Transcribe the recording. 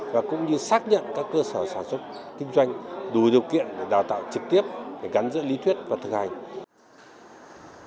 và cũng như xác nhận các cơ sở sản xuất kinh doanh đủ điều kiện để đào tạo trực tiếp gắn giữa lý thuyết và thực hành